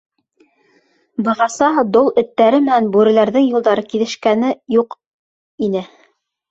— Бығаса дол эттәре менән бүреләрҙең юлдары киҫешкәне юҡ ине.